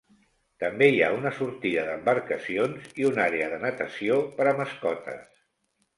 També hi ha una sortida d'embarcacions i un àrea de natació per a mascotes.